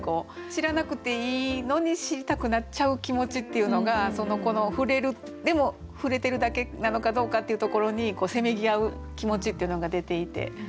知らなくていいのに知りたくなっちゃう気持ちっていうのがこの「触れる」でも触れてるだけなのかどうかっていうところにせめぎ合う気持ちっていうのが出ていて。